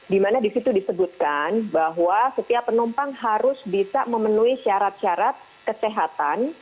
dimana disitu disebutkan bahwa setiap penumpang harus bisa memenuhi syarat syarat kesehatan